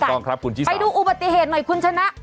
ต้องครับคุณชิสาไปดูอุบัติเหตุหน่อยคุณชนะ